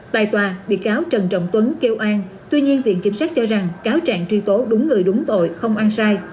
tại tòa bị cáo trần trọng tuấn kêu an tuy nhiên viện kiểm sát cho rằng cáo trạng truy tố đúng người đúng tội không ăn sai